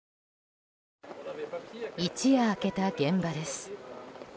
一夜明けた現場です。